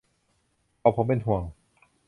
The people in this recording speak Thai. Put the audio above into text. ขอผมเป็นห่วง